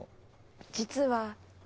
実は。